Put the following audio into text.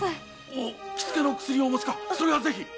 おお気つけの薬をお持ちかそれはぜひ！